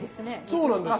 そうなんですよ。